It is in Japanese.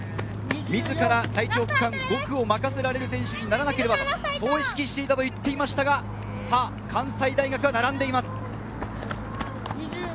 自ら最長区間、５区を任せられる選手にならなければと、意識していたと言っていましたが、関西大学が並んでいます。